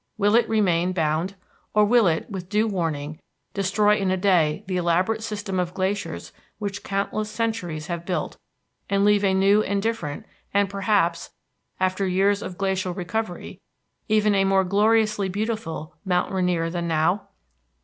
Will it remain bound? Or will it, with due warning, destroy in a day the elaborate system of glaciers which countless centuries have built, and leave a new and different, and perhaps, after years of glacial recovery, even a more gloriously beautiful Mount Rainier than now?